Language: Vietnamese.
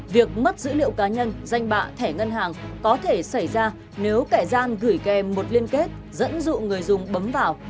việc mất dữ liệu cá nhân danh bạ thẻ ngân hàng có thể xảy ra nếu kẻ gian gửi kèm một liên kết dẫn dụ người dùng bấm vào